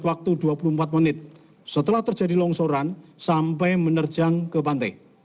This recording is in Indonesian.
waktu dua puluh empat menit setelah terjadi longsoran sampai menerjang ke pantai